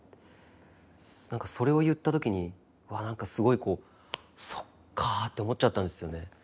何かそれを言った時にわっ何かすごいこう「そっかぁ」って思っちゃったんですよね。